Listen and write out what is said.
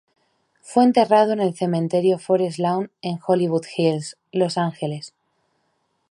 Fue enterrado en el Cementerio Forest Lawn de Hollywood Hills, Los Ángeles.